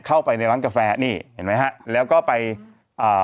เข้าไปในร้านกาแฟนี่เห็นไหมฮะแล้วก็ไปอ่า